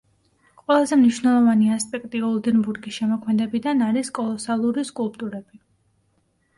ყველაზე მნიშვნელოვანი ასპექტი ოლდენბურგის შემოქმედებიდან არის კოლოსალური სკულპტურები.